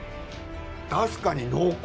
確かに濃厚。